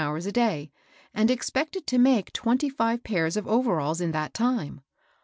hours a day, and expected to make tw^ity five pairs of overalls in that time.